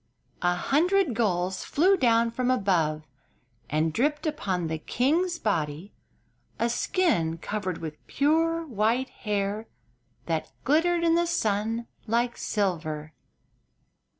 An hundred gulls flew down from above and dripped upon the king's body a skin covered with pure white hair that glittered in the sun like silver.